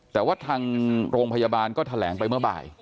แต่ว่าทางโรงพยาบาลก็แถลงไปเมื่อบ่าย